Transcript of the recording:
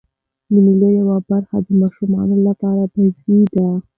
د مېلو یوه برخه د ماشومانو له پاره بازۍ دي.